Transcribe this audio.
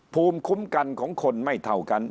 ภูมิคุ้มกันของคนไม่เท่ากัน